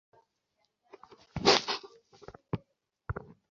দুই দিন ধরে এসব ট্রেন বন্ধ থাকায় হাজার হাজার যাত্রী আটকা পড়ে।